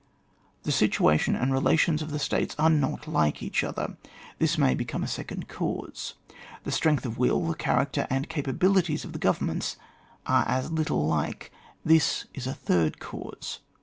The situation and relations of the states are not like each other ; this may become a second cause. The strength of will, the character and capabilities of the governments are as little like ; this is a third cause.